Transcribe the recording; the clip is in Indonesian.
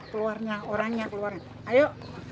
keluarnya orangnya keluar ayo